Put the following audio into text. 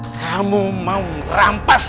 kamu mau rampas